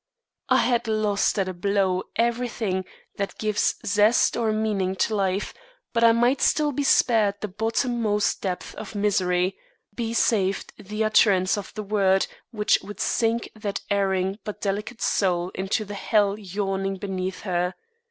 I had lost at a blow everything that gives zest or meaning to life, but I might still be spared the bottommost depth of misery be saved the utterance of the word which would sink that erring but delicate soul into the hell yawning beneath her.